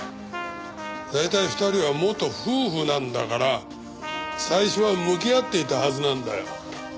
大体２人は元夫婦なんだから最初は向き合っていたはずなんだよ。